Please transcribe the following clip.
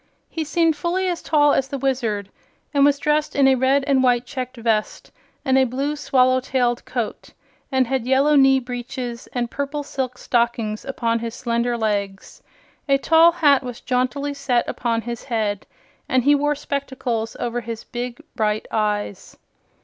He seemed fully as tall as the Wizard, and was dressed in a red and white checked vest and a blue swallow tailed coat, and had yellow knee breeches and purple silk stockings upon his slender legs. A tall hat was jauntily set upon his head and he wore spectacles over his big bright eyes.